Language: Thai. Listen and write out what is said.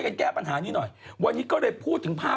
เพราะวันนี้หล่อนแต่งกันได้ยังเป็นสวย